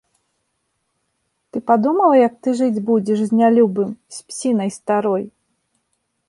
Ты падумала, як ты жыць будзеш з нялюбым, з псінай старой?